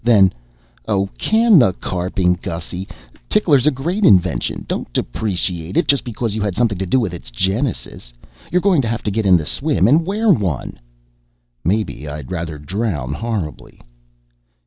Then, "Oh, can the carping, Gussy. Tickler's a great invention. Don't deprecate it just because you had something to do with its genesis. You're going to have to get in the swim and wear one." "Maybe I'd rather drown horribly."